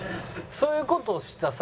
そういう事をしたさ。